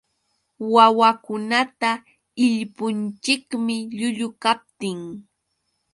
Wawakunata illpunchikmi llullu kaptin.